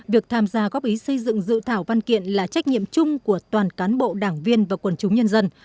việc tham gia góp ý xây dựng dự thảo văn kiện là trách nhiệm chung của toàn cán bộ đảng viên và quần chúng nhân dân